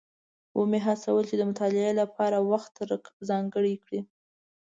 ومې هڅول چې د مطالعې لپاره وخت ځانګړی کړي.